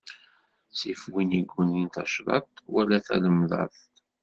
Ttif win iggunin tacḍaḍt, wala talemḍaḍt.